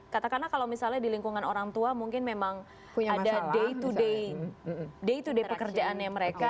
katakanlah kalau misalnya di lingkungan orang tua mungkin memang ada day to day day to day pekerjaannya mereka